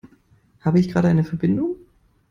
Habe ich gerade eine Verbindung?